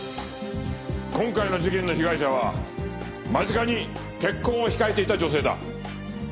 今回の事件の被害者は間近に結婚を控えていた女性だ。